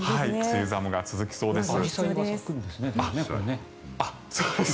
梅雨寒が続きそうです。